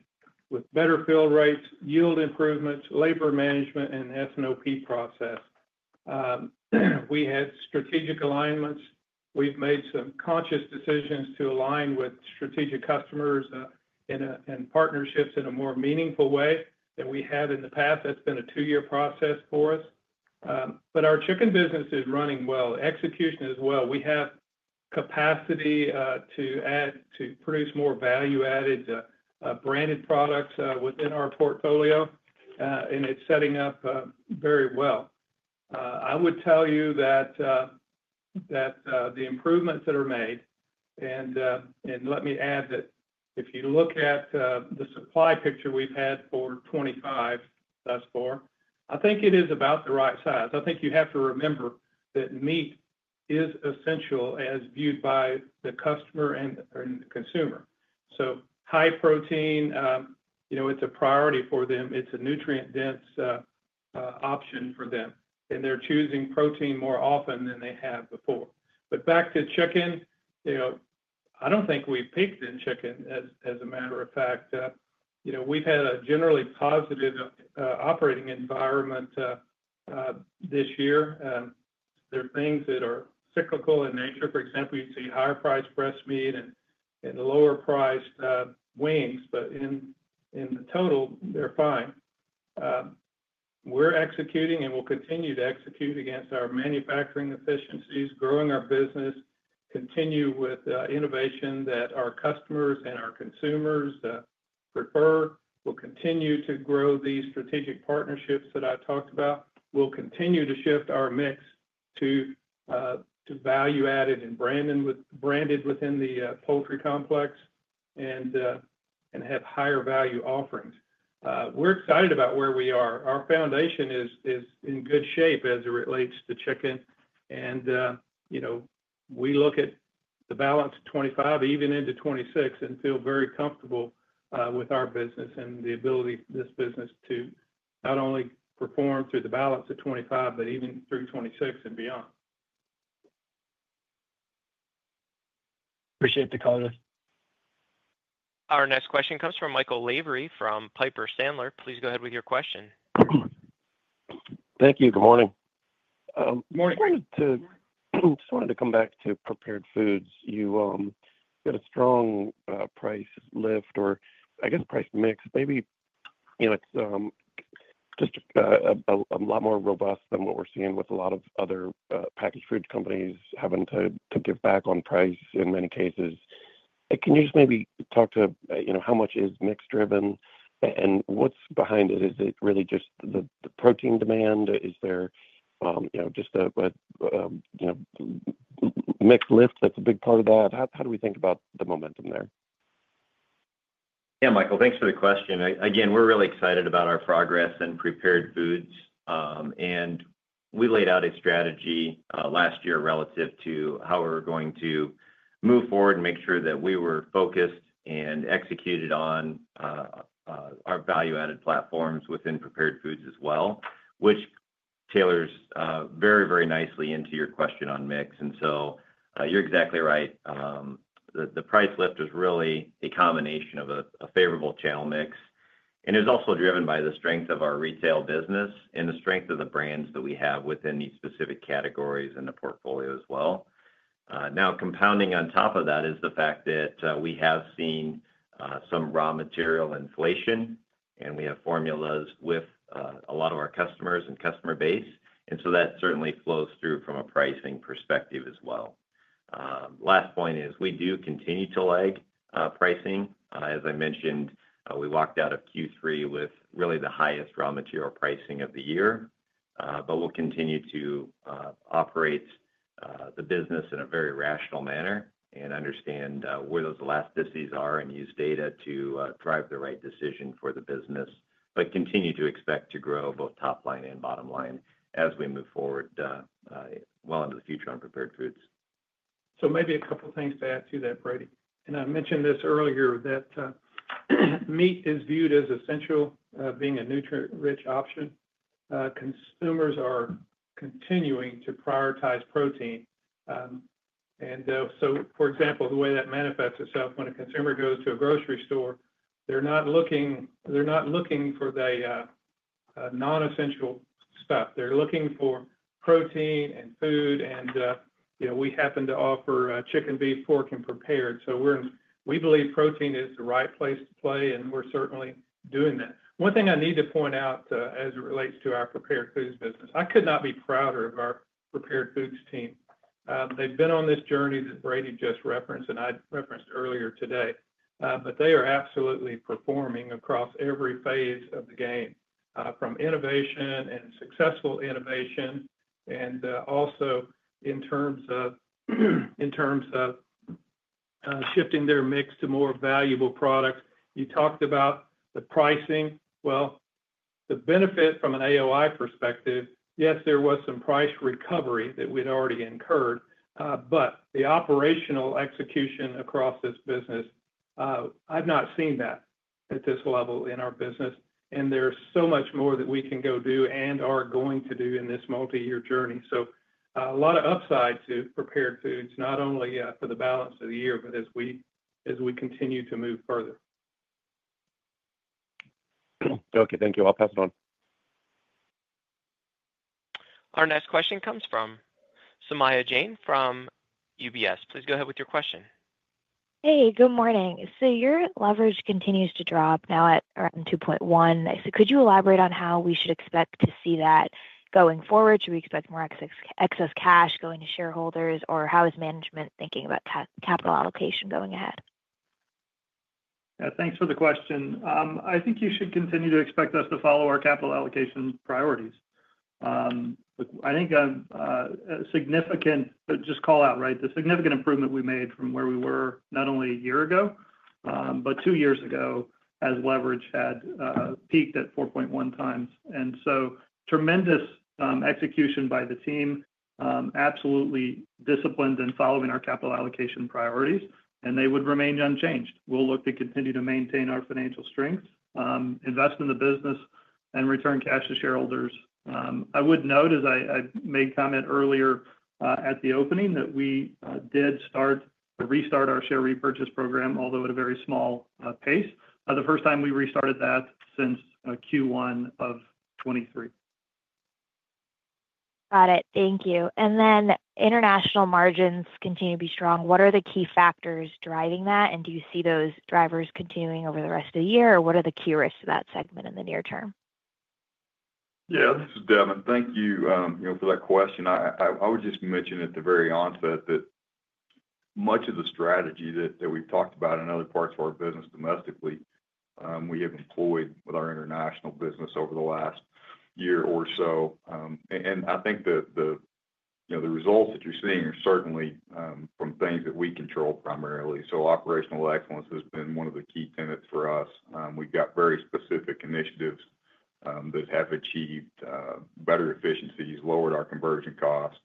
with better fill rates, yield improvements, labor management, and the S&OP process. We had strategic alignments. We've made some conscious decisions to align with strategic customers and partnerships in a more meaningful way than we had in the past. That's been a two-year process for us. Our chicken business is running well. Execution is well. We have capacity to add to produce more value-added branded products within our portfolio, and it's setting up very well. I would tell you that the improvements that are made, and let me add that if you look at the supply picture we've had for 2025 thus far, I think it is about the right size. You have to remember that meat is essential as viewed by the customer and the consumer. High protein, it's a priority for them. It's a nutrient-dense option for them, and they're choosing protein more often than they have before. Back to chicken, I don't think we've peaked in chicken. As a matter of fact, we've had a generally positive operating environment this year. There are things that are cyclical in nature. For example, you see higher priced breast meat and lower priced wings, but in total, they're fine. We're executing, and we'll continue to execute against our manufacturing efficiencies, growing our business, continue with innovation that our customers and our consumers prefer. We'll continue to grow these strategic partnerships that I've talked about. We'll continue to shift our mix to value-added and branded within the poultry complex and have higher value offerings. We're excited about where we are. Our foundation is in good shape as it relates to chicken. We look at the balance of 2025 even into 2026 and feel very comfortable with our business and the ability for this business to not only perform through the balance of 2025, but even through 2026 and beyond. Appreciate the caller. Our next question comes from Michael Lavery from Piper Sandler. Please go ahead with your question. Thank you. Good morning. Morning. I just wanted to come back to prepared foods. You got a strong price lift, or I guess price mix. Maybe it's just a lot more robust than what we're seeing with a lot of other packaged food companies having to give back on price in many cases. Can you just maybe talk to how much is mix driven? What's behind it? Is it really just the protein demand? Is there just a mix lift that's a big part of that? How do we think about the momentum there? Yeah, Michael, thanks for the question. Again, we're really excited about our progress in prepared foods. We laid out a strategy last year relative to how we were going to move forward and make sure that we were focused and executed on our value-added platforms within prepared foods as well, which tailors very, very nicely into your question on mix. You're exactly right. The price lift was really a combination of a favorable channel mix, and it was also driven by the strength of our retail business and the strength of the brands that we have within these specific categories in the portfolio as well. Now, compounding on top of that is the fact that we have seen some raw material inflation, and we have formulas with a lot of our customers and customer base. That certainly flows through from a pricing perspective as well. Last point is we do continue to lag pricing. As I mentioned, we walked out of Q3 with really the highest raw material pricing of the year. We'll continue to operate the business in a very rational manner and understand where those elasticities are and use data to drive the right decision for the business, but continue to expect to grow both top line and bottom line as we move forward well into the future on prepared foods. Maybe a couple of things to add to that, Brady. I mentioned this earlier that meat is viewed as essential, being a nutrient-rich option. Consumers are continuing to prioritize protein. For example, the way that manifests itself when a consumer goes to a grocery store, they're not looking for the non-essential stuff. They're looking for protein and food. You know, we happen to offer chicken, beef, pork, and prepared. We believe protein is the right place to play, and we're certainly doing that. One thing I need to point out as it relates to our prepared foods business, I could not be prouder of our prepared foods team. They've been on this journey that Brady just referenced and I referenced earlier today. They are absolutely performing across every phase of the game, from innovation and successful innovation, and also in terms of shifting their mix to more valuable products. You talked about the pricing. The benefit from an AOI perspective, yes, there was some price recovery that we'd already incurred. The operational execution across this business, I've not seen that at this level in our business. There's so much more that we can go do and are going to do in this multi-year journey. A lot of upside to prepared foods, not only for the balance of the year, but as we continue to move further. Okay, thank you. I'll pass it on. Our next question comes from Saumya Jain from UBS. Please go ahead with your question. Good morning. Your leverage continues to drop now at around 2.1. Could you elaborate on how we should expect to see that going forward? Should we expect more excess cash going to shareholders, or how is management thinking about capital allocation going ahead? Yeah, thanks for the question. I think you should continue to expect us to follow our capital allocation priorities. I think a significant, just call out, the significant improvement we made from where we were not only a year ago, but two years ago as leverage had peaked at 4.1x. Tremendous execution by the team, absolutely disciplined in following our capital allocation priorities, and they would remain unchanged. We'll look to continue to maintain our financial strength, invest in the business, and return cash to shareholders. I would note, as I made comment earlier at the opening, that we did restart our share repurchase program, although at a very small pace. The first time we restarted that since Q1 of 2023. Got it. Thank you. International margins continue to be strong. What are the key factors driving that, and do you see those drivers continuing over the rest of the year? What are the key risks to that segment in the near term? Yeah, this is Devin. Thank you for that question. I would just mention at the very onset that much of the strategy that we've talked about in other parts of our business domestically, we have employed with our international business over the last year or so. I think the results that you're seeing are certainly from things that we control primarily. Operational excellence has been one of the key tenets for us. We've got very specific initiatives that have achieved better efficiencies, lowered our conversion costs,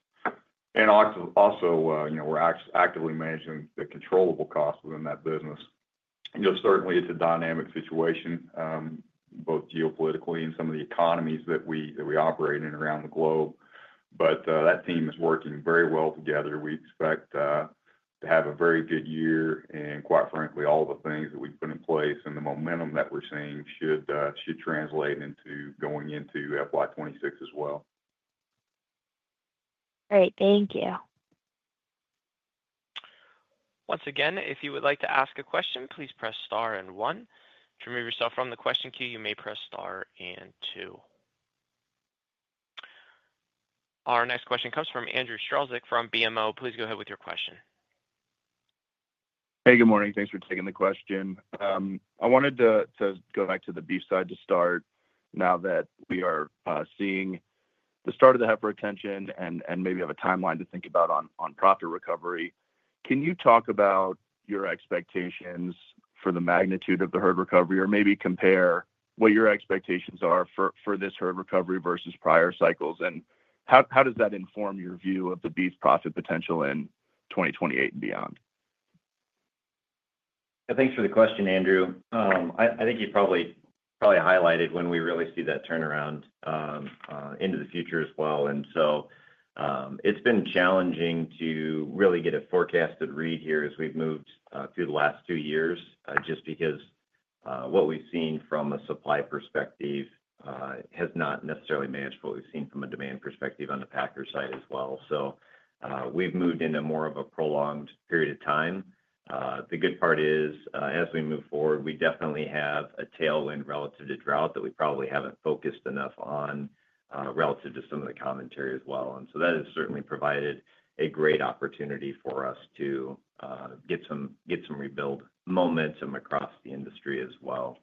and also we're actively managing the controllable costs within that business. Certainly, it's a dynamic situation, both geopolitically and in some of the economies that we operate in around the globe. That team is working very well together. We expect to have a very good year, and quite frankly, all of the things that we've put in place and the momentum that we're seeing should translate into going into FY 2026 as well. Great. Thank you. Once again, if you would like to ask a question, please press star and one. If you remove yourself from the question queue, you may press star and two. Our next question comes from Andrew Strelzik from BMO. Please go ahead with your question. Hey, good morning. Thanks for taking the question. I wanted to go back to the beef side to start now that we are seeing the start of the Heifer retention and maybe have a timeline to think about on profit recovery. Can you talk about your expectations for the magnitude of the herd recovery or maybe compare what your expectations are for this herd recovery versus prior cycles? How does that inform your view of the beef's profit potential in 2028 and beyond? Yeah, thanks for the question, Andrew. I think you probably highlighted when we really see that turnaround into the future as well. It's been challenging to really get a forecasted read here as we've moved through the last two years just because what we've seen from a supply perspective has not necessarily matched what we've seen from a demand perspective on the packer side as well. We've moved into more of a prolonged period of time. The good part is, as we move forward, we definitely have a tailwind relative to drought that we probably haven't focused enough on relative to some of the commentary as well. That has certainly provided a great opportunity for us to get some rebuild momentum across the industry as well.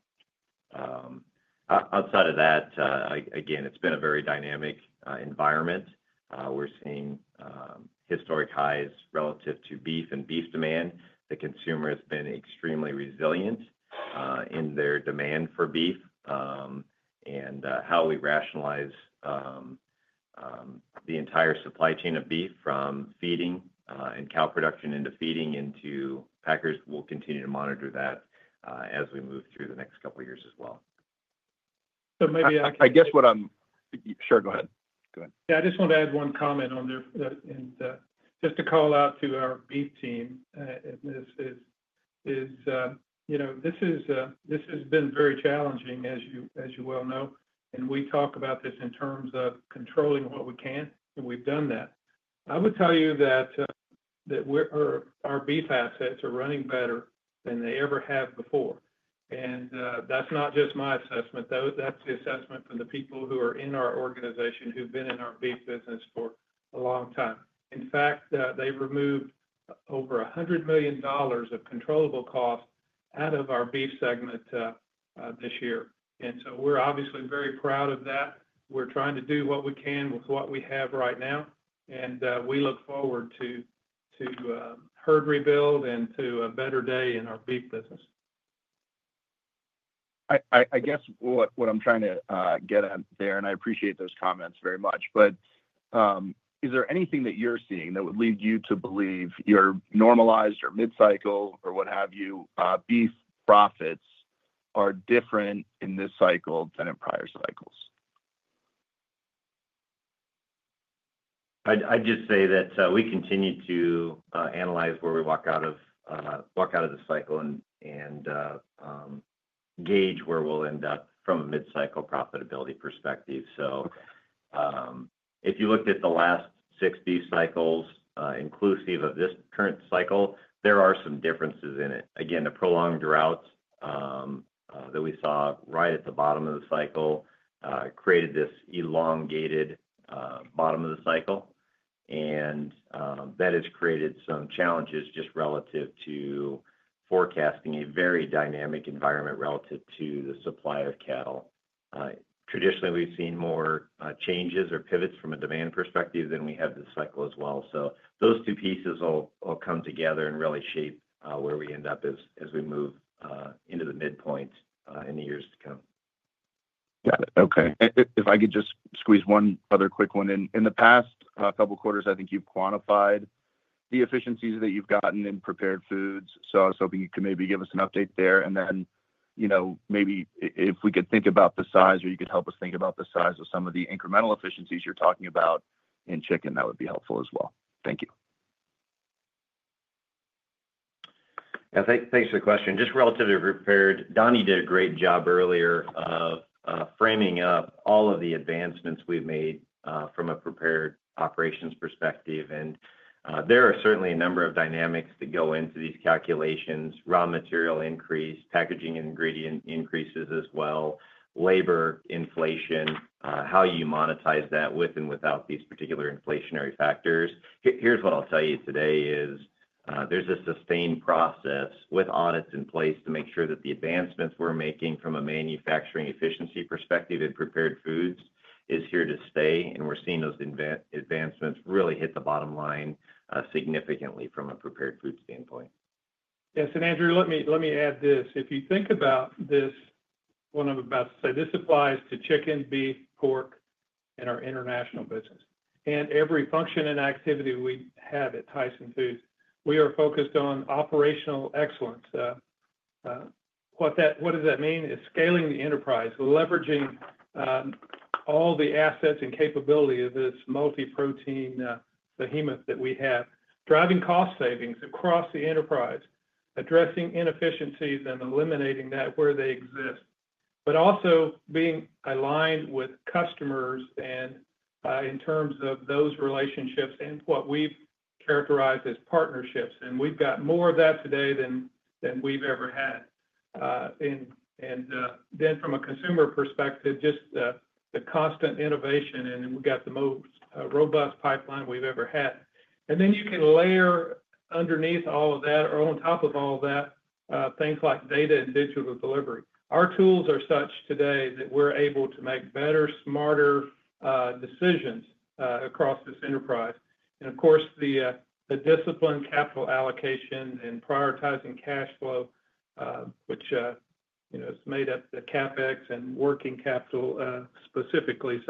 Outside of that, it's been a very dynamic environment. We're seeing historic highs relative to beef and beef demand. The consumer has been extremely resilient in their demand for beef. How we rationalize the entire supply chain of beef from feeding and cow production into feeding into packers, we'll continue to monitor that as we move through the next couple of years as well. Go ahead. Yeah, I just wanted to add one comment on there. Just to call out to our beef team, this has been very challenging, as you well know. We talk about this in terms of controlling what we can, and we've done that. I would tell you that our beef assets are running better than they ever have before. That's not just my assessment, though. That's the assessment from the people who are in our organization who've been in our beef business for a long time. In fact, they've removed over $100 million of controllable costs out of our beef segment this year. We're obviously very proud of that. We're trying to do what we can with what we have right now. We look forward to herd rebuilding and to a better day in our beef business. I guess what I'm trying to get at, and I appreciate those comments very much, is there anything that you're seeing that would lead you to believe your normalized or mid-cycle or what have you beef profits are different in this cycle than in prior cycles? I'd just say that we continue to analyze where we walk out of the cycle and gauge where we'll end up from a mid-cycle profitability perspective. If you looked at the last six beef cycles, inclusive of this current cycle, there are some differences in it. The prolonged drought that we saw right at the bottom of the cycle created this elongated bottom of the cycle. That has created some challenges just relative to forecasting a very dynamic environment relative to the supply of cattle. Traditionally, we've seen more changes or pivots from a demand perspective than we have this cycle as well. Those two pieces will come together and really shape where we end up as we move into the midpoint in the years to come. Got it. Okay. If I could just squeeze one other quick one in. In the past couple of quarters, I think you've quantified the efficiencies that you've gotten in Prepared Foods. I was hoping you could maybe give us an update there. You know, maybe if we could think about the size or you could help us think about the size of some of the incremental efficiencies you're talking about in chicken, that would be helpful as well. Thank you. Yeah, thanks for the question. Just relative to prepared, Donnie did a great job earlier of framing out all of the advancements we've made from a prepared operations perspective. There are certainly a number of dynamics that go into these calculations: raw material increase, packaging and ingredient increases as well, labor inflation, how you monetize that with and without these particular inflationary factors. Here's what I'll tell you today is there's a sustained process with audits in place to make sure that the advancements we're making from a manufacturing efficiency perspective in prepared foods are here to stay. We're seeing those advancements really hit the bottom line significantly from a prepared food standpoint. Yes. Andrew, let me add this. If you think about this, what I'm about to say applies to chicken, beef, pork, and our international business. Every function and activity we have at Tyson Foods, we are focused on operational excellence. What does that mean? It's scaling the enterprise, leveraging all the assets and capability of this multi-protein behemoth that we have, driving cost savings across the enterprise, addressing inefficiencies and eliminating that where they exist, but also being aligned with customers in terms of those relationships and what we've characterized as partnerships. We've got more of that today than we've ever had. From a consumer perspective, just the constant innovation, and we've got the most robust pipeline we've ever had. You can layer underneath all of that or on top of all of that things like data and digital delivery. Our tools are such today that we're able to make better, smarter decisions across this enterprise. Of course, the discipline capital allocation and prioritizing cash flow, which, you know, is made up of the CapEx and working capital specifically.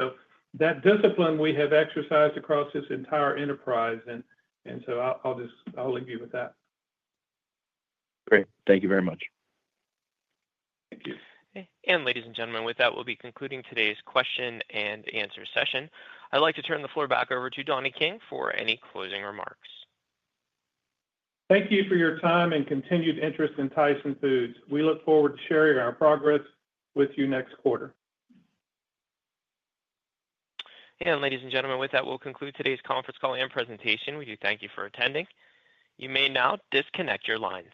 That discipline we have exercised across this entire enterprise. I'll leave you with that. Great, thank you very much. Ladies and gentlemen, with that, we'll be concluding today's question and answer session. I'd like to turn the floor back over to Donnie King for any closing remarks. Thank you for your time and continued interest in Tyson Foods. We look forward to sharing our progress with you next quarter. Ladies and gentlemen, with that, we'll conclude today's conference call and presentation. We do thank you for attending. You may now disconnect your lines.